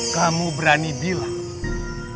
kamu berani bilang